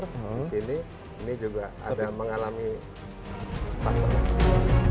di sini ini juga ada mengalami sepasang otot